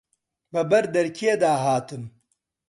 بە بەر دەرکێ دا هاتم